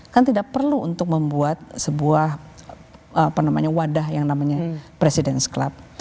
kan tidak perlu untuk membuat sebuah wadah yang namanya presiden club